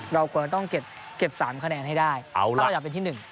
เราควรจะต้องเก็บ๓คะแนนให้ได้ถ้าเราอยากเป็นที่๑